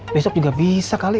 besok juga bisa kali